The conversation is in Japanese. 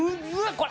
これ。